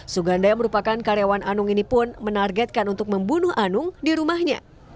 suganda yang merupakan karyawan anung ini pun menargetkan untuk membunuh anung di rumahnya